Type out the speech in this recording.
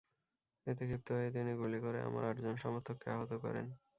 এতে ক্ষিপ্ত হয়ে তিনি গুলি করে আমার আটজন সমর্থককে আহত করেন।